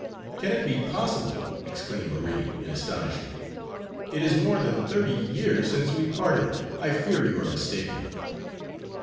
"Can it be possible!" exclaimed Marie, in astonishment. "It is more than thirty years since we parted. I fear you are mistaken."